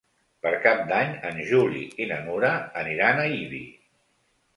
Per Cap d'Any en Juli i na Nura aniran a Ibi.